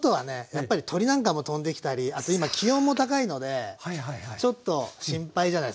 やっぱり鳥なんかも飛んできたりあと今気温も高いのでちょっと心配じゃないですか？